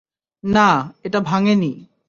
না, এটা ভাঙেনি!